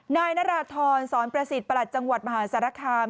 นายนราธรสอนประสิทธิ์ประหลัดจังหวัดมหาสารคาม